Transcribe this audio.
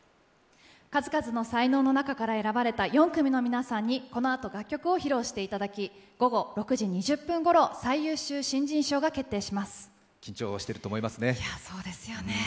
数々の才能の中から選ばれた４組の皆さんにこのあと楽曲を披露していただき午後６時２０分ごろ、最優秀新人賞が決定します。